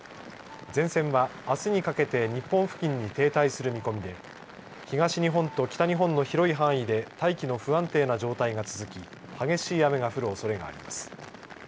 前線はあすにかけて日本付近に停滞する見込みで東日本と北日本の広い範囲で大気の不安定な状態が続き激しい雨が降るおそれがあります。